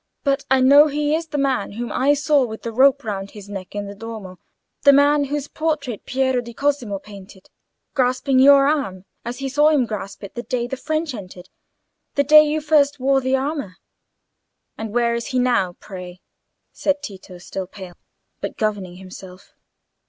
"But I know he is the man whom I saw with the rope round his neck in the Duomo—the man whose portrait Piero di Cosimo painted, grasping your arm as he saw him grasp it the day the French entered, the day you first wore the armour." "And where is he now, pray?" said Tito, still pale, but governing himself.